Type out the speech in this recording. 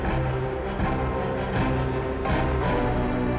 dan yang lainnya nunggu di luar